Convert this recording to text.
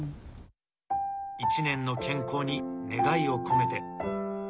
一年の健康に願いを込めて。